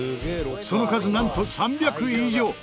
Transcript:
その数なんと３００以上。